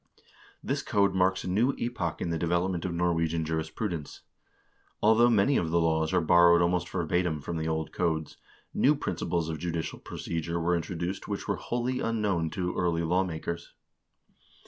This code marks a new epoch in the development of Norwegian jurisprudence. Although many of the laws are borrowed almost verbatim from the old codes, new principles of judicial procedure were introduced which were wholly unknown to earlier lawmakers.